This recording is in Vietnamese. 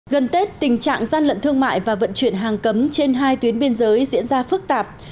gần tết tình trạng gian lận thương mại và vận chuyển hàng cấm trên hai tuyến biên giới diễn ra phức tạp